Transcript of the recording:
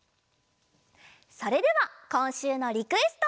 それではこんしゅうのリクエスト！